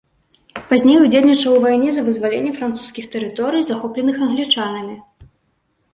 Пазней удзельнічаў у вайне за вызваленне французскіх тэрыторый, захопленых англічанамі.